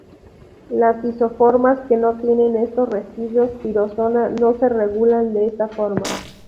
Las isoformas que no tienen estos residuos tirosina no se regulan de esta forma.